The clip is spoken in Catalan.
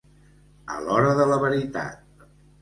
A l'hora de la veritat.